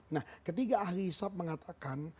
nah ketiga ahli hisap mengatakan